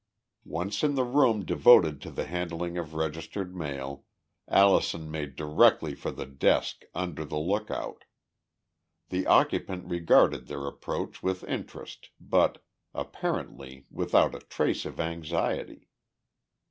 Once in the room devoted to the handling of registered mail, Allison made directly for the desk under the lookout. The occupant regarded their approach with interest but, apparently, without a trace of anxiety.